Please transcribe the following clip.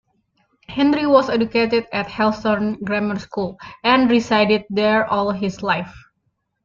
Henry was educated at Helston grammar school, and resided there all his life.